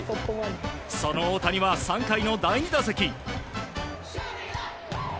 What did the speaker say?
その大谷は、３回の第２打席。